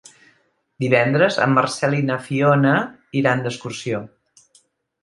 Divendres en Marcel i na Fiona iran d'excursió.